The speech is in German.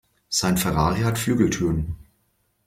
Sein Ferrari hat Flügeltüren.